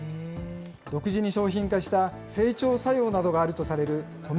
独自に商品化した整腸作用などがあるとされるコメ